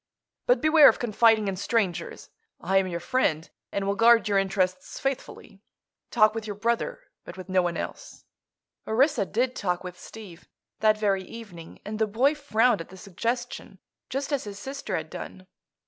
"But beware of confiding in strangers. I am your friend, and will guard your interests faithfully. Talk with your brother, but with no one else." Orissa did talk with Steve, that very evening, and the boy frowned at the suggestion just as his sister had done.